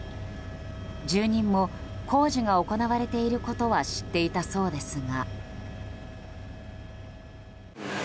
住人も工事が行われていることは知っていたそうですが。